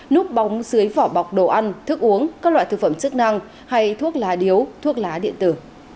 núp bóng dưới vỏ bọc đồ ăn thức uống các loại thực phẩm chức năng hay thuốc lá điếu thuốc lá điện tử